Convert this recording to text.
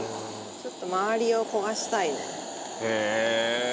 ちょっと周りを焦がしたいね。